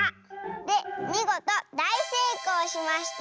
でみごとだいせいこうしました」。